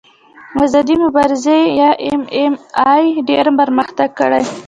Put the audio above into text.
آزادې مبارزې یا ایم ایم اې ډېر پرمختګ کړی.